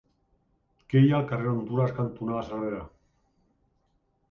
Què hi ha al carrer Hondures cantonada Cervera?